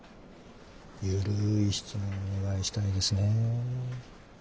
緩い質問をお願いしたいですね。